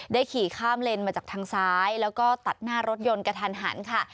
ขี่ข้ามเลนมาจากทางซ้ายแล้วก็ตัดหน้ารถยนต์กระทันหันค่ะ